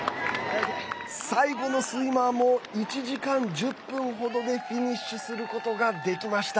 最後のスイマーも１時間１０分程でフィニッシュすることができました。